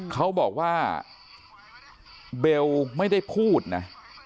เขาบอกว่าเบลไม่ได้พูดนะ